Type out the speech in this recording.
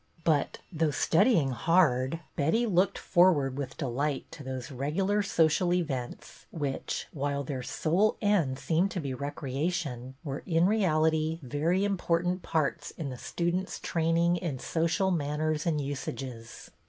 But, though studying hard, Betty looked forward with delight to those regular social events, which, while their sole end seemed to be recreation, were in reality very impor THE PLAY '31 tant parts in the students' training in social manners and usages.